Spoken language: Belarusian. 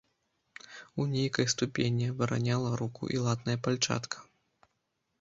У нейкай ступені абараняла руку і латная пальчатка.